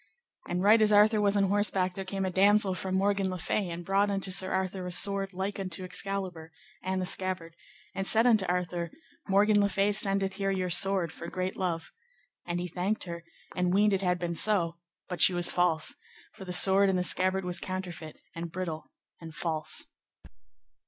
And right as Arthur was on horseback there came a damosel from Morgan le Fay, and brought unto Sir Arthur a sword like unto Excalibur, and the scabbard, and said unto Arthur, Morgan le Fay sendeth here your sword for great love. And he thanked her, and weened it had been so, but she was false, for the sword and the scabbard was counterfeit, and brittle, and false.